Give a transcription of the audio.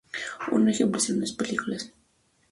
Un ejemplo es la serie de películas "Behind Enemy Lines".